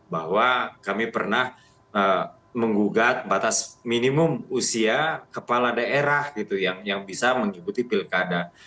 bahwa kami pernah menggugat batas minimum usia kepala daerah gitu yang bisa mengikuti pilkada